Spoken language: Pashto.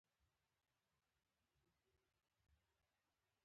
زحمتکشي د انسان د کرکټر او شخصیت ښکارندویه ده.